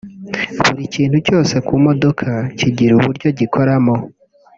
Buri kintu cyose ku modoka kigira uburyo gikoramo